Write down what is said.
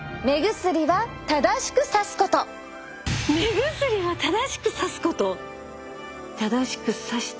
目薬は正しくさすこと？